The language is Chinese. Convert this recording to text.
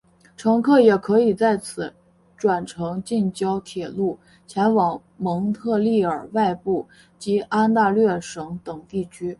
乘客也可以在此转乘近郊铁路前往蒙特利尔外部及安大略省等地区。